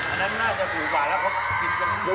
อันนั้นน่าจะถูกกว่าแล้วเขากินอย่างนั้น